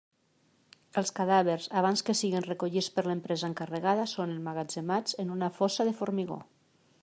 Els cadàvers, abans que siguen recollits per l'empresa encarregada, són emmagatzemats en una fossa de formigó.